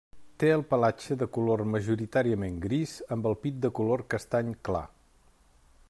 Té el pelatge de color majoritàriament gris, amb el pit de color castany clar.